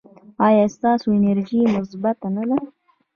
ایا ستاسو انرژي مثبت نه ده؟